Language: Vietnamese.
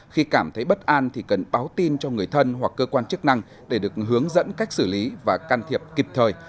khi cảm thấy bất an thì cần báo tin cho người thân hoặc cơ quan chức năng để được hướng dẫn cách xử lý và can thiệp kịp thời